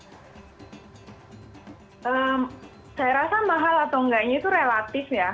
saya rasa mahal atau enggaknya itu relatif ya